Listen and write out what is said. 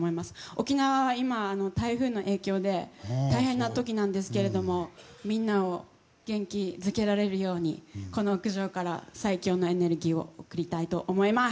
沖縄は今、台風の影響で大変な時なんですけれどもみんなを元気づけられるようにこの屋上から最強のエネルギーを送りたいと思います！